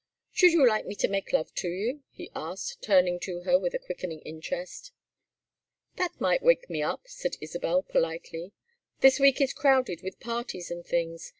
Should you like me to make love to you?" he asked, turning to her with a quickening interest. "That might wake me up," said Isabel, politely. "This week is crowded with parties and things.